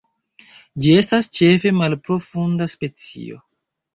Ĝi estas ĉefe malprofunda specio.